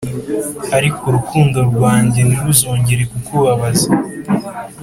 ariko urukundo rwanjye ntiruzongere kukubabaza,